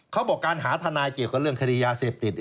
เขาบอกการหาทนายเกี่ยวกับเรื่องคดียาเสพติด